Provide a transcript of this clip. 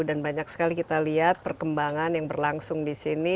dan banyak sekali kita lihat perkembangan yang berlangsung di sini